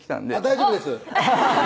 大丈夫です